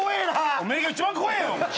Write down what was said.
おめーが一番怖えよ。